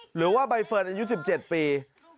หรือว่าใบเฟิร์นอายุ๑๗ปี